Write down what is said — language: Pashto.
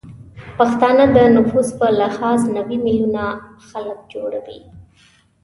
پښتانه د نفوس به لحاظ نوې میلیونه خلک جوړوي